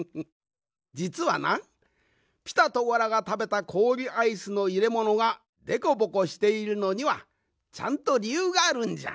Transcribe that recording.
じつはなピタとゴラがたべたこおりアイスのいれものがでこぼこしているのにはちゃんとりゆうがあるんじゃ。